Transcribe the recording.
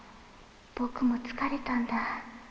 「僕も疲れたんだ。